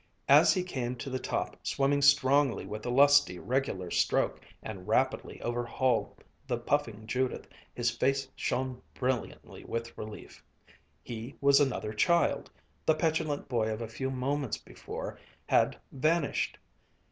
As he came to the top, swimming strongly with a lusty, regular stroke, and rapidly overhauled the puffing Judith, his face shone brilliantly with relief. He was another child. The petulant boy of a few moments before had vanished.